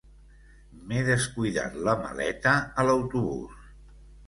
M'he descuidat la maleta a l'autobús.